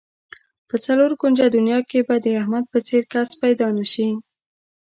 په څلور کونجه دنیا کې به د احمد په څېر کس پیدا نشي.